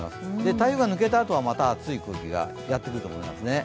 台風が抜けたあとはまたあつい空気がやってくるかと思います。